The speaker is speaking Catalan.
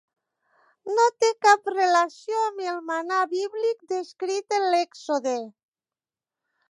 No té cap relació amb el mannà bíblic descrit en l'Èxode.